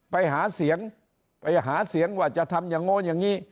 ไปหาเสียงไปหาเสียงว่าจะทำอย่างโน้นอย่างนี้